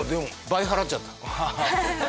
倍払っちゃった。